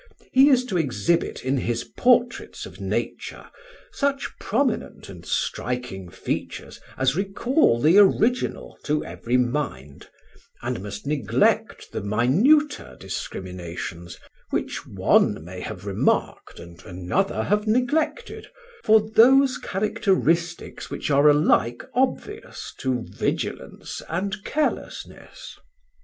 He is to exhibit in his portraits of nature such prominent and striking features as recall the original to every mind, and must neglect the minuter discriminations, which one may have remarked and another have neglected, for those characteristics which are alike obvious to vigilance and carelessness.